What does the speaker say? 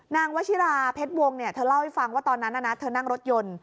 วชิราเพชรวงเนี่ยเธอเล่าให้ฟังว่าตอนนั้นเธอนั่งรถยนต์